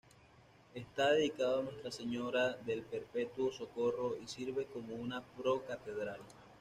Está dedicado a Nuestra Señora del Perpetuo Socorro, y sirve como una pro-catedral.